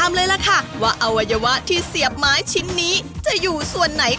คือถ้ามายนี้ต้องใช้๒ตัวครับ